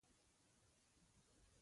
بيا د ابداليو ځينو پاتې مشرانو ته ورغی.